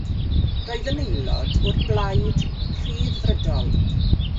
Roedd yn aelod o'r Blaid Ryddfrydol.